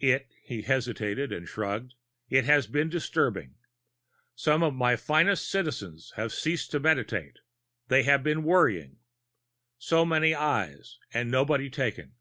It " He hesitated, shrugged. "It has been disturbing. Some of our finest Citizens have ceased to Meditate; they have been worrying. So many Eyes and nobody taken!